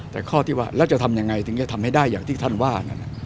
แต่ข้อที่ว่าแล้วจะทำยังไงถึงจะทำให้ได้อย่างที่ท่านว่านั้น